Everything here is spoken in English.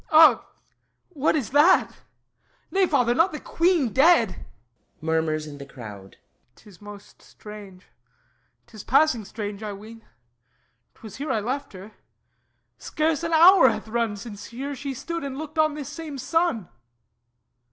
_] Ah, what is that! Nay, Father, not the Queen Dead! [Murmurs in the crowd.] 'Tis most strange. 'Tis passing strange, I ween. 'Twas here I left her. Scarce an hour hath run Since here she stood and looked on this same sun.